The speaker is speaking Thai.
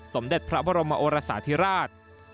สมเด็จพระบรมโอรสาธิราช